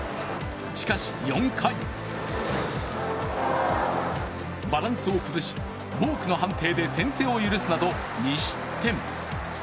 しかし、４回、バランスを崩しボークの判定で先制を許すなど２失点。